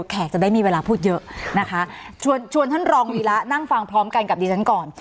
แขกจะได้มีเวลาพูดเยอะนะคะชวนชวนท่านรองวีระนั่งฟังพร้อมกันกับดิฉันก่อน